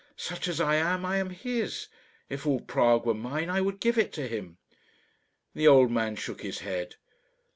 Such as I am, I am his. If all Prague were mine I would give it to him." The old man shook his head.